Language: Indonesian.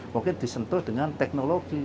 mungkin disentuh dengan teknologi